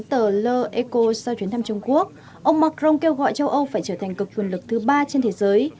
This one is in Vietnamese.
tờ leko sau chuyến thăm trung quốc ông macron kêu gọi châu âu phải trở thành cực quyền lực thứ ba trên thế giới